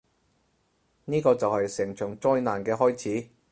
呢個就係成場災難嘅開始